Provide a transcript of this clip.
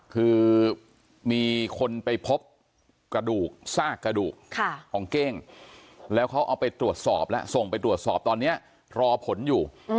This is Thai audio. คือมีคนไปพบกระดูกซากกระดูกของเก้งแล้วเขาเอาไปตรวจสอบแล้วส่งไปตรวจสอบตอนนี้รอผลอยู่